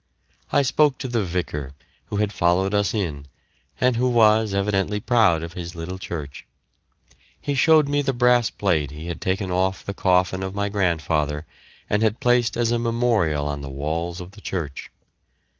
I spoke to the vicar, who had followed us in, and who was evidently proud of his little church; he showed me the brass plate he had taken off the coffin of my grandfather, and had placed as a memorial on the walls of the church.